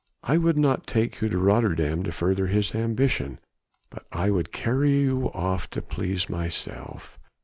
I would not take you to Rotterdam to further his ambition, but I would carry you off to please myself.